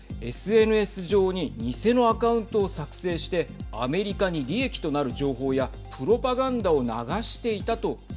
ＳＮＳ上に偽のアカウントを作成してアメリカに利益となる情報やプロパガンダをはい。